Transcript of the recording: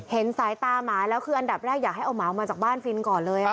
สายตาหมาแล้วคืออันดับแรกอยากให้เอาหมามาจากบ้านฟินก่อนเลย